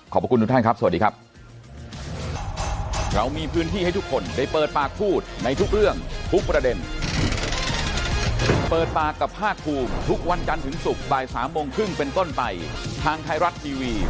ขอบคุณทุกท่านครับสวัสดีครับ